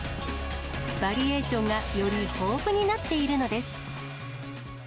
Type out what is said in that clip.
バリエーションがより豊富になっているのです。